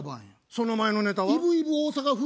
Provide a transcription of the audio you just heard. その前のネタは？